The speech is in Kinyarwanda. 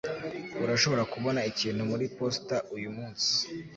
Urashobora kubona ikintu muri posita uyumunsi